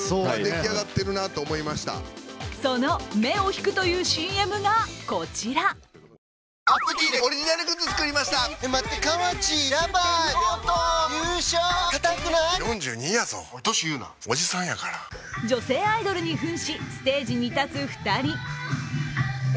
その、目を引くというＣＭがこちら女性アイドルに扮し、ステージに立つ２人。